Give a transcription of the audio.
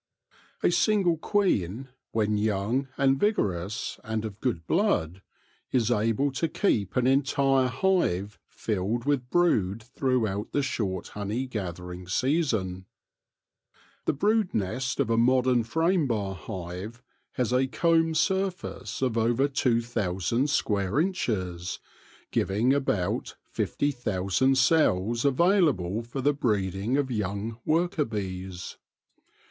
A single queen, when young and vigorous and of good blood, is able to keep an entire hive filled with brood throughout the short honey gathering season. The brood nest of a modern frame bar hive has a comb surface of over 2,000 square inches, giving about 50,000 cells available for the breeding of young worker bees.